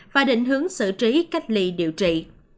và định hướng xử trí cách ly điều trị